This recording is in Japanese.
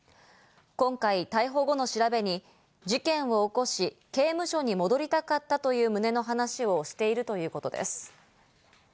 今回、逮捕後の調べに事件を起こし、刑務所に戻りたかったという旨の話をしているということです。